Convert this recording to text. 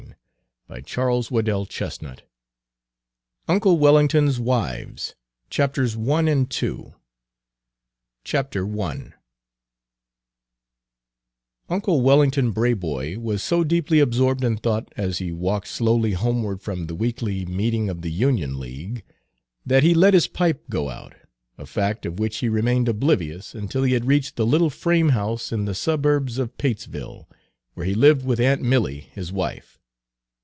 The latter shook his fist impotently and the incident was closed. Page 203 UNCLE WELLINGTON'S WIVES I UNCLE WELLINGTON BRABOY was so deeply absorbed in thought as he walked slowly homeward from the weekly meeting of the Union League, that he let his pipe go out, a fact of which he remained oblivious until he had reached the little frame house in the suburbs of Patesville, where he lived with aunt Milly, his wife.